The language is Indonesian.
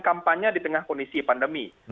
kampanye di tengah kondisi pandemi